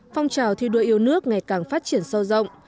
phong trào thi đua yêu nước ngày càng phát triển sâu rộng